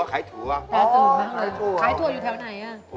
ขายถั่วอยู่แถวไหนอ่ะ